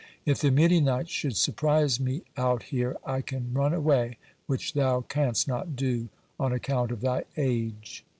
If the Midianites should surprise me out here, I can run away, which thou canst not do, on account of thy age."